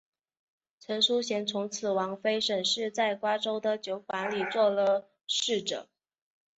陈叔贤从此王妃沈氏在瓜州的酒馆里做了侍者。